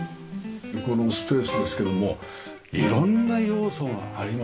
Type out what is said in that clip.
このスペースですけども色んな要素があります。